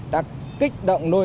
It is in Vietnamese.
đã kích động nôi